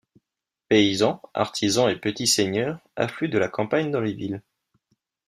Paysans, artisans et petits seigneurs affluent de la campagne dans les villes.